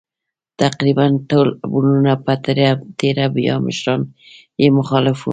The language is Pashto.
تقریباً ټول وروڼه په تېره بیا مشران یې مخالف وو.